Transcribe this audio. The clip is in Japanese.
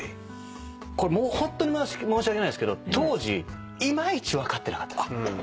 これホントに申し訳ないですけど当時いまいち分かってなかった。